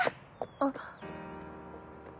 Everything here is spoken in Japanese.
あっ。